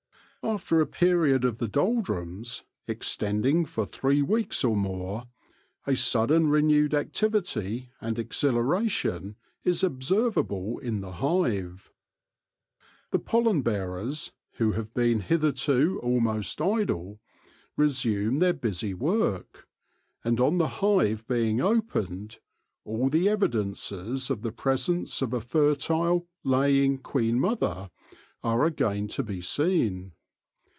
After a period of the doldrums, extending for three weeks or more, a sudden renewed activity and exhilaration is observ able in the hive. The pollen bearers, who have been hitherto almost idle, resume their busy work ; and, on the hive being opened, all the evidences of the presence of a fertile, laying queen mother are again to be seen.